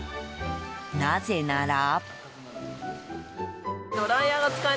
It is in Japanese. なぜなら。